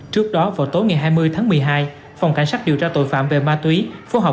trước đó vào tối ngày hai mươi tháng một mươi hai phòng cảnh sát điều tra tội phạm về ma túy phối hợp